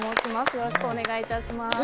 よろしくお願いします。